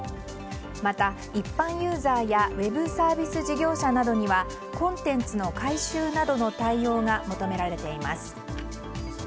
また一般ユーザーやウェブサービス事業者などにはコンテンツの改修などの対応が求められています。